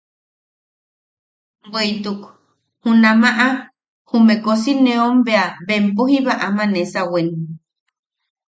Bweʼituk junamaʼa jume kosineom bea bempo jiba ama nesawen.